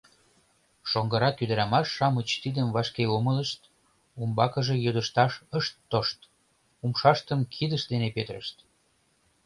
Шоҥгырак ӱдырамаш-шамыч тидым вашке умылышт, умбакыже йодышташ ышт тошт — умшаштым кидышт дене петырышт.